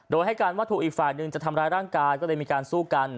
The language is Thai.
โดยให้การว่าถูกอีกฝ่ายหนึ่งจะทำร้ายร่างกายก็เลยมีการสู้กัน